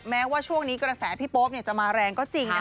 แม้ว่าช่วงนี้กระแสพี่โป๊ปจะมาแรงก็จริงนะ